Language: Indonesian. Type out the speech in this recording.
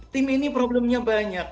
tim ini problemnya banyak